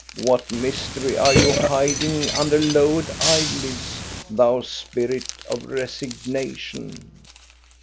What mystery are you hiding under lowered eyelids, thou spirit of resignation